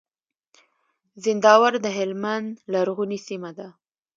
زينداور د هلمند لرغونې سيمه ده.